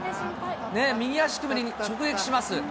右足首に直撃します。